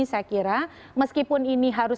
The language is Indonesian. saya kira meskipun ini harus